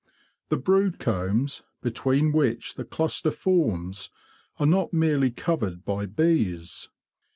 The brood combs between which the cluster forms are not merely covered by bees.